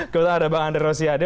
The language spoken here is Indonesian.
kepala darah bang ander rosiade